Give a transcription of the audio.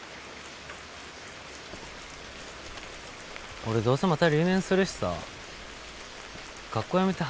俺どうせまた留年するしさ学校やめて働くわ。